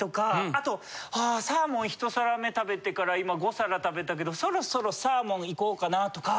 あとはサーモンひと皿め食べてから今５皿食べたけどそろそろサーモンいこうかなとか。